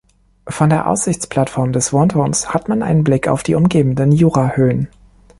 Von der Aussichtsplattform des Wohnturms hat man einen Blick auf die umgebenden Jurahöhen.